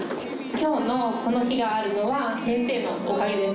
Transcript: きょうのこの日があるのは、先生のおかげです。